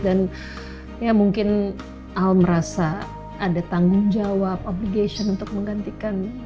ya mungkin al merasa ada tanggung jawab obligation untuk menggantikan